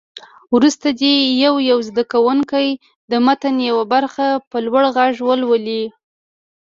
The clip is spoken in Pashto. وروسته دې یو یو زده کوونکی د متن یوه برخه په لوړ غږ ولولي.